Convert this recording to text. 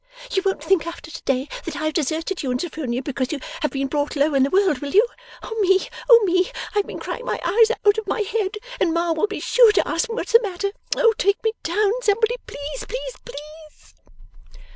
You won't think after to day that I have deserted you and Sophronia because you have been brought low in the world, will you? Oh me! oh me! I have been crying my eyes out of my head, and Ma will be sure to ask me what's the matter. Oh, take me down, somebody, please, please, please!